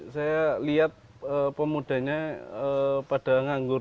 saya lihat pemudanya pada nganggur